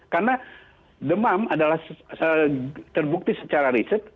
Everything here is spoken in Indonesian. karena demam adalah terbukti secara riset